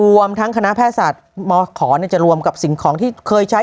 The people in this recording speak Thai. รวมทั้งคณะแพทยศาสตร์มขอจะรวมกับสิ่งของที่เคยใช้